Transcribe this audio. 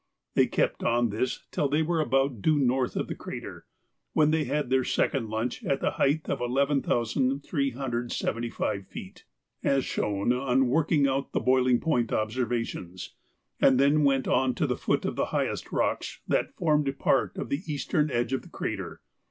They kept on this till they were about due north of the crater, when they had their second lunch at a height of 11,375 feet, as shown on working out the boiling point observations, and then went on to the foot of the highest rocks that formed part of the eastern edge of the crater.